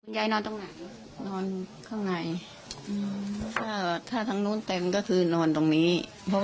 ตรงไหนนอนข้างในถ้าถ้าทั้งนู้นเต็มก็คือนอนตรงนี้เพราะ